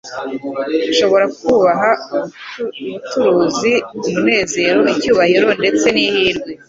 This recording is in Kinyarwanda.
Nshobora kubaha ubuturuzi, umunezero, ibyubahiro, ndetse n'ihirwe.